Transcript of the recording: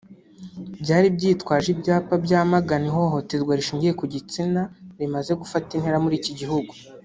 byari byitwaje ibyapa byamagana ihohoterwa rishingiye ku gitsina rimaze gufata intera muri iki gihugu